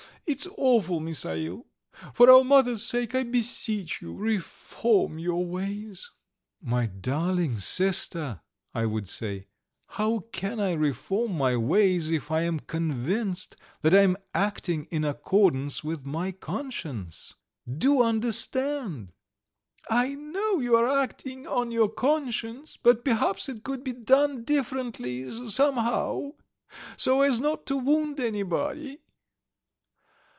It's awful, Misail; for our mother's sake I beseech you: reform your ways." "My darling sister," I would say, "how can I reform my ways if I am convinced that I am acting in accordance with my conscience? Do understand!" "I know you are acting on your conscience, but perhaps it could be done differently, somehow, so as not to wound anybody."